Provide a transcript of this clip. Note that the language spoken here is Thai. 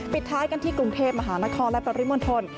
ปิดท้ายกันที่กรุงเทพมหานครและปริมณฑล